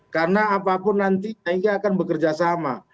karena apapun nantinya ini akan bekerjasama